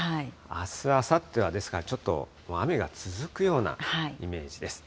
あすあさっては、ですから、ちょっと雨が続くようなイメージです。